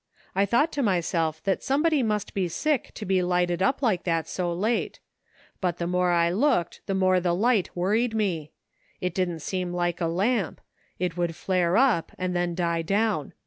I thought to myself that somebody must be sick to be lighted up like that so late ; but the more I looked the more the light worried me. It didn't seem like a lamp; it would flare up, and then die down.